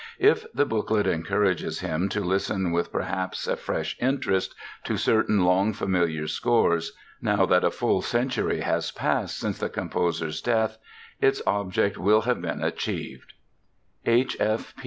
If the booklet encourages him to listen with perhaps a fresh interest to certain long familiar scores, now that a full century has passed since the composer's death, its object will have been achieved. H.